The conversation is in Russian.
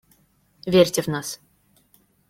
Верьте в нас.